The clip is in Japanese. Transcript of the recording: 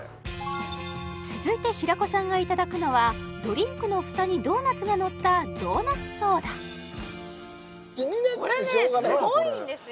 続いて平子さんがいただくのはドリンクの蓋にドーナツがのったドーナツ＆ソーダこれねすごいんですよ